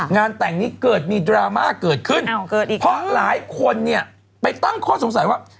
งานแต่งนี้เกิดมีดราม่าเกิดขึ้นอีกเพราะหลายคนเนี่ยไปตั้งข้อสงสัยว่า